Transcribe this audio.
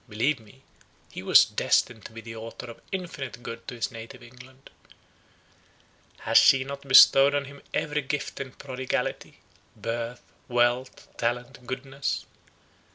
Believe me, he was destined to be the author of infinite good to his native England. Has she not bestowed on him every gift in prodigality?—birth, wealth, talent, goodness?